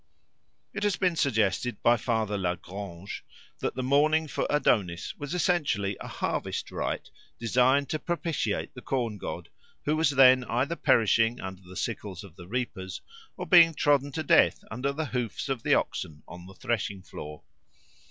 It has been suggested by Father Lagrange that the mourning for Adonis was essentially a harvest rite designed to propitiate the corngod, who was then either perishing under the sickles of the reapers, or being trodden to death under the hoofs of the oxen on the threshing floor.